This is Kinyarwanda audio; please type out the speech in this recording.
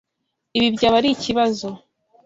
Ibi byaba ari ikibazo.